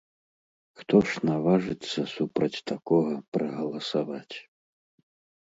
Хто ж наважыцца супраць такога прагаласаваць?